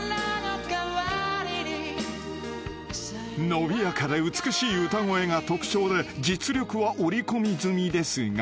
［伸びやかで美しい歌声が特徴で実力は織り込み済みですが］